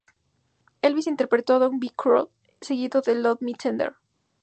Elvis interpretó "Don't Be Cruel", seguido por "Love Me Tender".